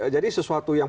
jadi sesuatu yang